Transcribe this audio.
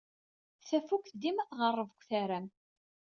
Tafukt dima tɣerreb deg utaram.